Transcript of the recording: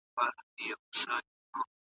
په ناحقه د بل چا مال مه اخلئ او عدل وکړئ.